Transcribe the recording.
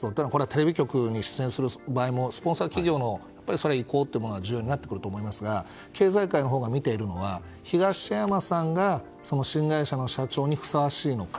テレビ局に出演する場合もスポンサー企業の意向というものが重要になってくると思いますが経済界が見ているのは東山さんが新会社の社長にふさわしいのか。